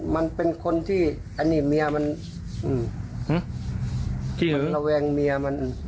มันระเมียมันที่หยุดนี่ด้วย